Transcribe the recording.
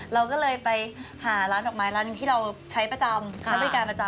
เราก็เลยไปหาร้านดอกไม้ร้านหนึ่งที่เราใช้ประจำใช้บริการประจำ